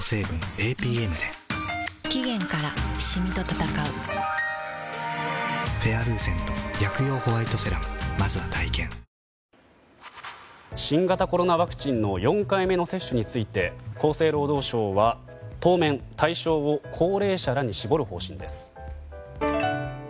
続いて、３回目接種を終えたばかりという人も新型コロナワクチンの４回目の接種について厚生労働省は当面、対象を高齢者らに絞る方針です。